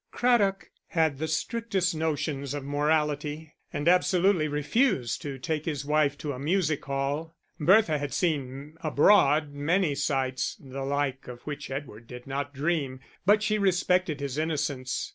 Craddock had the strictest notions of morality, and absolutely refused to take his wife to a music hall; Bertha had seen abroad many sights, the like of which Edward did not dream, but she respected his innocence.